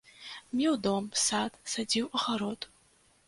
Меў дом, сад, садзіў агарод.